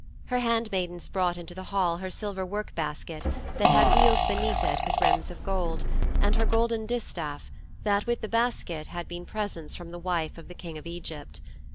Her handmaidens brought into the hall her silver work basket that had wheels beneath it with rims of gold, and her golden distaff that, with the basket, had been presents from the wife of the King of Egypt.